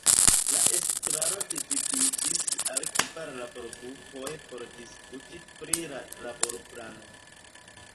La estraro dividiĝis al kvar laborgrupoj por diskuti pri la laborplano.